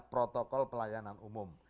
protokol pelayanan umum